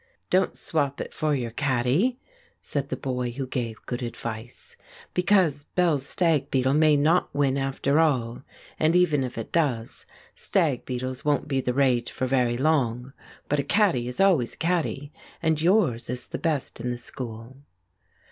"Don't swap it for your catty," said the boy who gave good advice, "because Bell's stag beetle may not win after all; and even if it does stag beetles won't be the rage for very long; but a catty is always a catty, and yours is the best in the school."